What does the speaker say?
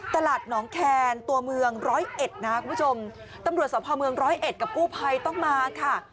ตลาดหนองแคนตัวเมืองร้อยเอ็ดนะคุณผู้ชมตำรวจสภเมืองร้อยเอ็ดกับกู้ภัยต้องมาค่ะ